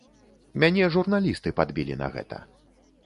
Мяне журналісты падбілі на гэта.